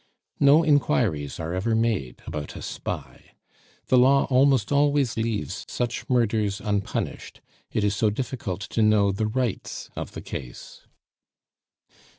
No inquiries are ever made about a spy. The law almost always leaves such murders unpunished, it is so difficult to know the rights of the case.